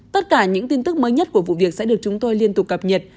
tất cả những tin tức mới nhất của vụ việc sẽ được chúng tôi liên tục cập nhật